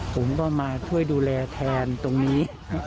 ผมก็มาช่วยดูแลแทนตรงนี้